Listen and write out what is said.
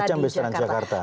semacam bus transjakarta